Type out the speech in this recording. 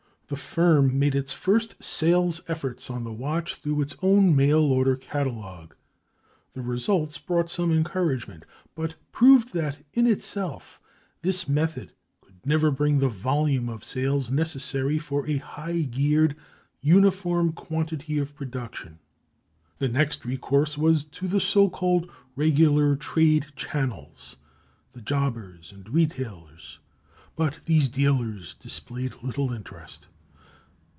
The firm made its first sales efforts on the watch through its own mail order catalog. The results brought some encouragement, but proved that in itself this method could never bring the volume of sales necessary for a high geared, uniform quantity of production. The next recourse was to the so called "regular trade channels"—the jobbers and retailers. But these dealers displayed little interest.